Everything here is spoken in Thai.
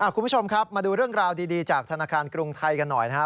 คุณผู้ชมครับมาดูเรื่องราวดีจากธนาคารกรุงไทยกันหน่อยนะครับ